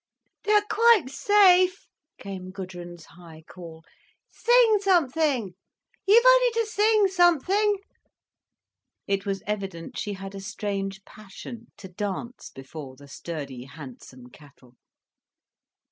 "They are quite safe," came Gudrun's high call. "Sing something, you've only to sing something." It was evident she had a strange passion to dance before the sturdy, handsome cattle.